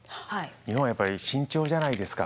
日本はやっぱり慎重じゃないですか。